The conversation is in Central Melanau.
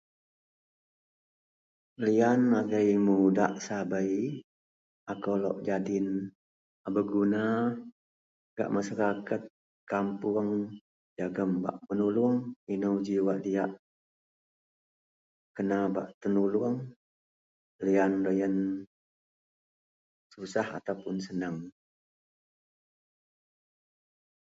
Liyan agei mudak sabei, akou lok nyadin a beguna gak masaraket kapuong jegem bak menuluong, inou ji wak diyak kena bak tenuluong liyan deloyen susah ataupun seneng.